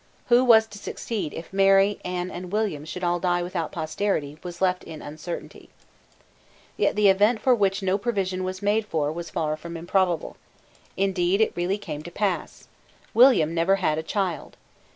Who was to succeed if Mary, Anne, and William should all die without posterity, was left in uncertainty. Yet the event for which no provision was made was far from improbable. Indeed it really came to pass. William had never had a child.